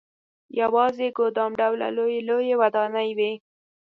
یوازې ګدام ډوله لويې لويې ودانۍ وې.